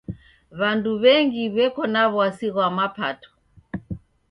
W'andu w'engi w'eko na w'asi ghwa mapato.